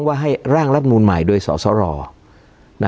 การแสดงความคิดเห็น